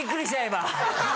今。